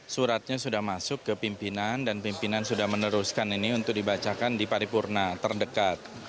suratnya sudah masuk ke pimpinan dan pimpinan sudah meneruskan ini untuk dibacakan di paripurna terdekat